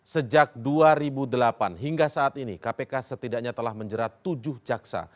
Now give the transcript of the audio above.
sejak dua ribu delapan hingga saat ini kpk setidaknya telah menjerat tujuh jaksa